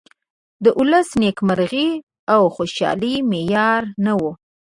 د ولس نیمکرغي او خوشالي معیار نه ؤ.